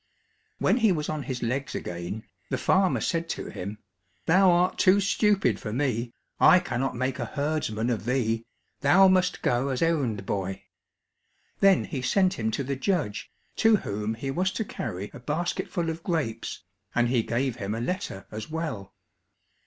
When he was on his legs again, the farmer said to him, "Thou art too stupid for me, I cannot make a herdsman of thee, thou must go as errand boy." Then he sent him to the judge, to whom he was to carry a basketful of grapes, and he gave him a letter as well.